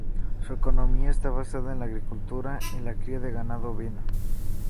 Su economía está basada en la agricultura y la cría de ganado ovino.